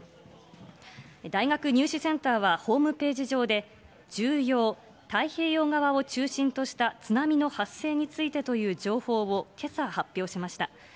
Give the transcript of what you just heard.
大学入試センターはホームページ上に、重要、太平洋側を中心とした津波の発生についてという情報を、けさ発表しました。